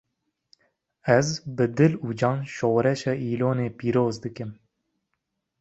Ez bi dil û can şoreşa Îlonê pîroz dikim